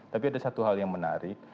tapi ada satu hal yang menarik